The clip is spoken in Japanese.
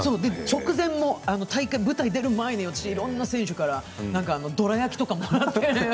直前も舞台出る前はいろんな選手からどら焼きとかもらって。